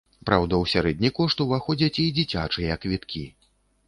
Праўда, у сярэдні кошт уваходзяць і дзіцячыя квіткі.